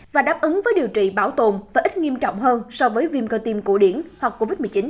và đáp ứng với điều trị bảo tồn và ít nghiêm trọng hơn so với viêm cơ tim cổ điển hoặc covid một mươi chín